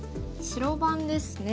白番ですね。